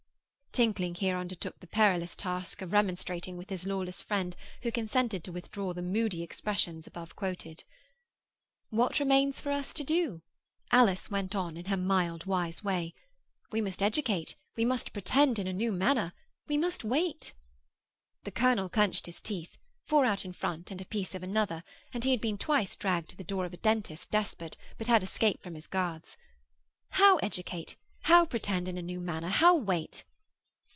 Tinkling here undertook the perilous task of remonstrating with his lawless friend, who consented to withdraw the moody expressions above quoted. 'What remains for us to do?' Alice went on in her mild, wise way. 'We must educate, we must pretend in a new manner, we must wait.' The colonel clenched his teeth,—four out in front, and a piece of another, and he had been twice dragged to the door of a dentist despot, but had escaped from his guards. 'How educate? How pretend in a new manner? How wait?